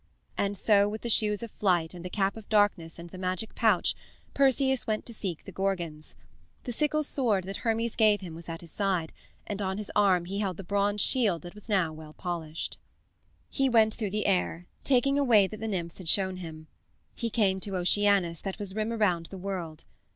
And so with the shoes of flight and the cap of darkness and the magic pouch, Perseus went to seek the Gorgons. The sickle sword that Hermes gave him was at his side, and on his arm he held the bronze shield that was now well polished. He went through the air, taking a way that the nymphs had shown him. He came to Oceanus that was the rim around the world.